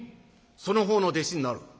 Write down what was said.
その方の弟子になる」。